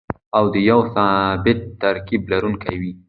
او د يو ثابت ترکيب لرونکي وي.